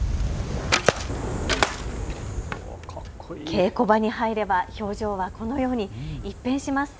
稽古場に入れば表情はこのように一変します。